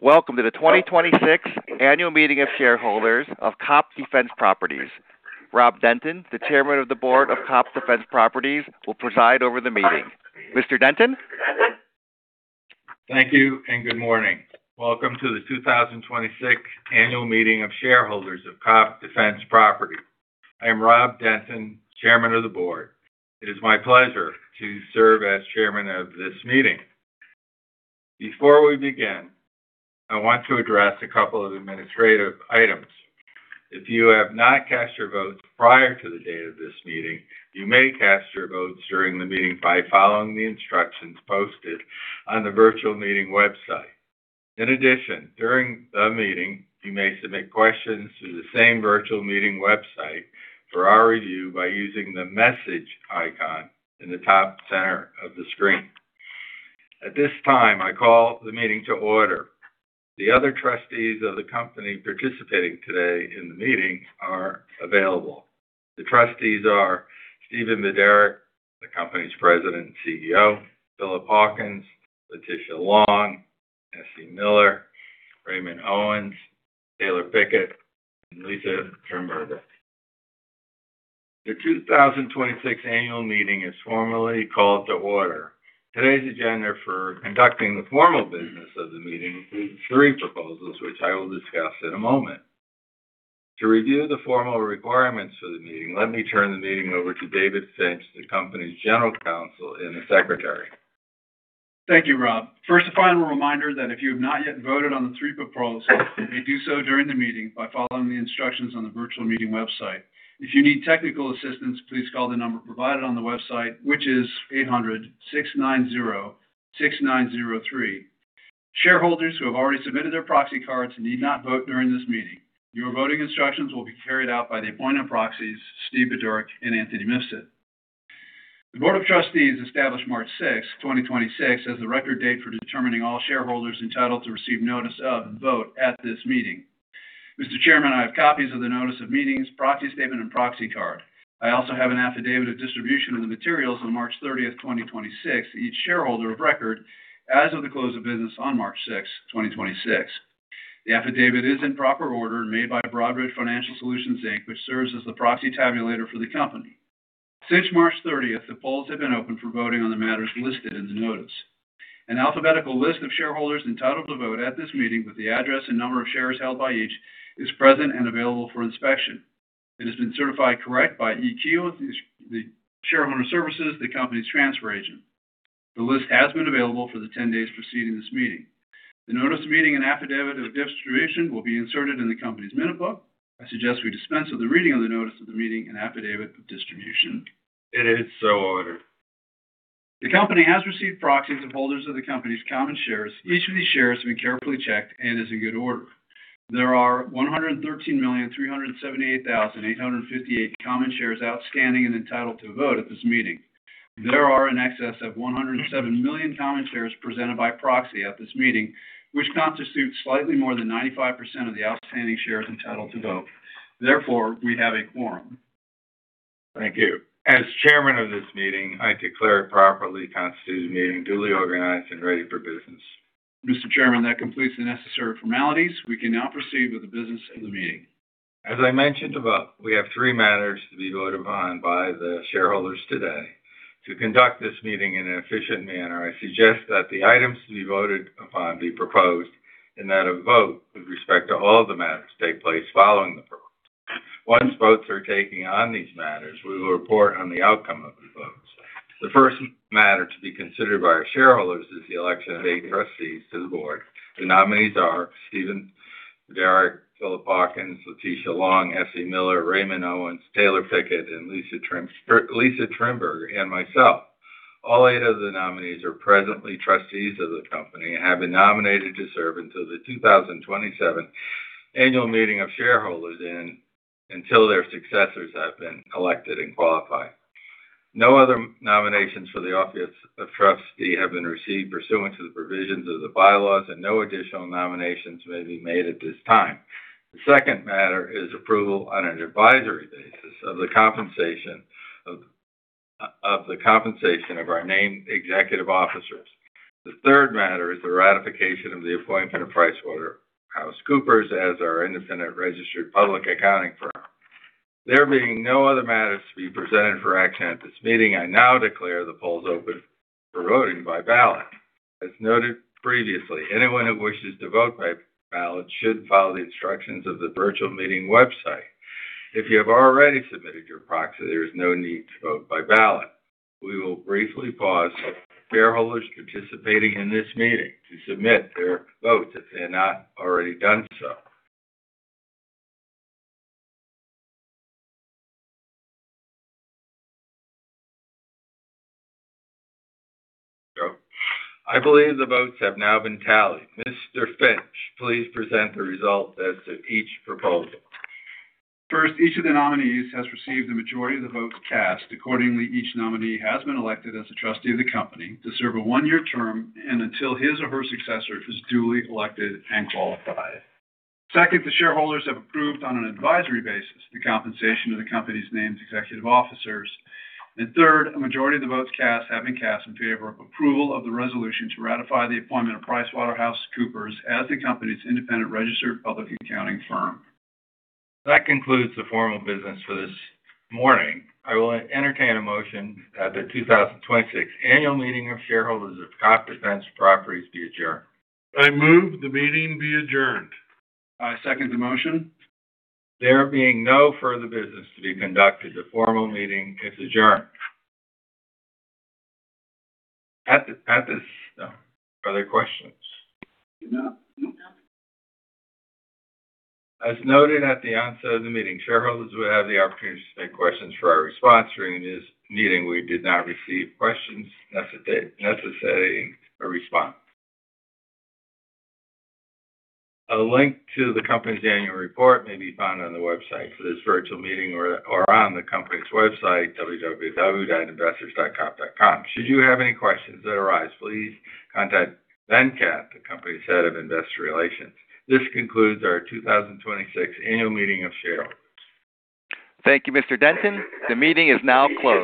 Welcome to the 2026 annual meeting of shareholders of COPT Defense Properties. Rob Denton, the Chairman of the Board of COPT Defense Properties, will preside over the meeting. Mr. Denton. Thank you and good morning. Welcome to the 2026 annual meeting of shareholders of COPT Defense Properties. I am Robert L. Denton, Sr., Chairman of the Board. It is my pleasure to serve as Chairman of this meeting. Before we begin, I want to address a couple of administrative items. If you have not cast your votes prior to the date of this meeting, you may cast your votes during the meeting by following the instructions posted on the virtual meeting website. In addition, during the meeting, you may submit questions to the same virtual meeting website for our review by using the message icon in the top center of the screen. At this time, I call the meeting to order. The other trustees of the company participating today in the meeting are available. The trustees are Stephen E. Budorick, the company's President and Chief Executive Officer, Philip L. Hawkins, Letitia A. Long, Essye B. Miller, Raymond L. Owens, C. Taylor Pickett, and Lisa G. Trimberger. The 2026 annual meeting is formally called to order. Today's agenda for conducting the formal business of the meeting includes three proposals, which I will discuss in a moment. To review the formal requirements for the meeting, let me turn the meeting over to David L. Finch, the company's General Counsel and Secretary. Thank you, Rob. First, a final reminder that if you have not yet voted on the three proposals, you may do so during the meeting by following the instructions on the virtual meeting website. If you need technical assistance, please call the number provided on the website, which is 800-690-6903. Shareholders who have already submitted their proxy cards need not vote during this meeting. Your voting instructions will be carried out by the appointed proxies, Stephen E. Budorick and Anthony Mifsud. The board of trustees established March 6th, 2026 as the record date for determining all shareholders entitled to receive notice of vote at this meeting. Mr. Chairman, I have copies of the notice of meetings, proxy statement, and proxy card. I also have an affidavit of distribution of the materials on March 30th, 2026 to each shareholder of record as of the close of business on March 6th, 2026. The affidavit is in proper order and made by Broadridge Financial Solutions, Inc., which serves as the proxy tabulator for the company. Since March 30th, the polls have been open for voting on the matters listed in the notice. An alphabetical list of shareholders entitled to vote at this meeting with the address and number of shares held by each is present and available for inspection. It has been certified correct by EQ, the Shareowner Services, the company's transfer agent. The list has been available for the 10 days preceding this meeting. The notice of meeting and affidavit of distribution will be inserted in the company's minute book. I suggest we dispense of the reading of the notice of the meeting and affidavit of distribution. It is so ordered. The company has received proxies of holders of the company's common shares. Each of these shares have been carefully checked and is in good order. There are 113,378,858 common shares outstanding and entitled to vote at this meeting. There are in excess of 107 million common shares presented by proxy at this meeting, which constitutes slightly more than 95% of the outstanding shares entitled to vote. Therefore, we have a quorum. Thank you. As chairman of this meeting, I declare a properly constituted meeting, duly organized and ready for business. Mr. Chairman, that completes the necessary formalities. We can now proceed with the business of the meeting. As I mentioned above, we have three matters to be voted upon by the shareholders today. To conduct this meeting in an efficient manner, I suggest that the items to be voted upon be proposed and that a vote with respect to all the matters take place following the proposal. Once votes are taken on these matters, we will report on the outcome of the votes. The first matter to be considered by our shareholders is the election of eight trustees to the board. The nominees are Stephen Budorick, Philip Hawkins, Letitia Long, Essye Miller, Raymond Owens, Taylor Pickett, Lisa Trimberger, and myself. All eight of the nominees are presently trustees of the company and have been nominated to serve until the 2027 annual meeting of shareholders and until their successors have been elected and qualified. No other nominations for the office of trustee have been received pursuant to the provisions of the bylaws. No additional nominations may be made at this time. The second matter is approval on an advisory basis of the compensation of the compensation of our named executive officers. The third matter is the ratification of the appointment of PricewaterhouseCoopers as our independent registered public accounting firm. There being no other matters to be presented for action at this meeting, I now declare the polls open for voting by ballot. As noted previously, anyone who wishes to vote by ballot should follow the instructions of the virtual meeting website. If you have already submitted your proxy, there is no need to vote by ballot. We will briefly pause shareholders participating in this meeting to submit their votes if they have not already done so. I believe the votes have now been tallied. Mr. Finch, please present the results as to each proposal. First, each of the nominees has received the majority of the votes cast. Accordingly, each nominee has been elected as a trustee of the company to serve a one-year term and until his or her successor is duly elected and qualified. Second, the shareholders have approved on an advisory basis the compensation of the company's named executive officers. Third, a majority of the votes cast have been cast in favor of approval of the resolution to ratify the appointment of PricewaterhouseCoopers as the company's independent registered public accounting firm. That concludes the formal business for this morning. I will entertain a motion that the 2026 annual meeting of shareholders of COPT Defense Properties be adjourned. I move the meeting be adjourned. I second the motion. There being no further business to be conducted, the formal meeting is adjourned. At this, Are there questions? No. No. As noted at the onset of the meeting, shareholders would have the opportunity to submit questions for our response. During this meeting, we did not receive questions necessitating a response. A link to the company's annual report may be found on the website for this virtual meeting or on the company's website, www.investors.copt.com. Should you have any questions that arise, please contact Venkat, the company's head of investor relations. This concludes our 2026 annual meeting of shareholders. Thank you, Mr. Denton. The meeting is now closed.